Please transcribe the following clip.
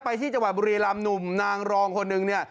ที่จังหวัดบุรีรำหนุ่มนางรองคนหนึ่งเนี่ย